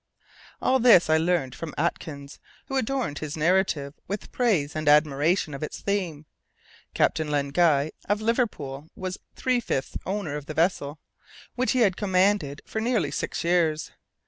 All this I learned from Atkins, who adorned his narrative with praise and admiration of its theme. Captain Len Guy, of Liverpool, was three fifths owner of the vessel, which he had commanded for nearly six years.